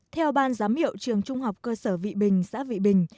theo ban giám hiệu trường trung học cơ sở vị bình xã vị bình